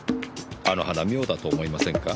あの花妙だと思いませんか？